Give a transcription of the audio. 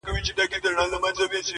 هر ګړی یې جهنم دی